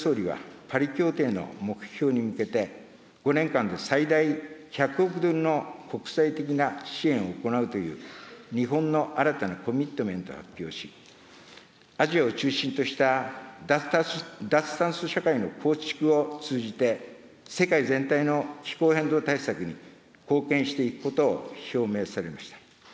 先日のＣＯＰ２６において、岸田総理はパリ協定の目標に向けて、５年間で最大１００億ドルの国際的な支援を行うという、日本の新たなコミットメントを発表し、アジアを中心とした脱炭素社会の構築を通じて、世界全体の気候変動対策に貢献していくことを表明されました。